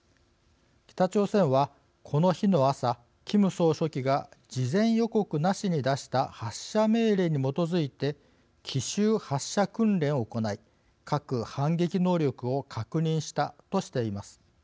北朝鮮は、この日の朝キム総書記が事前予告なしに出した発射命令に基づいて奇襲発射訓練を行い核反撃能力を確認したとしています。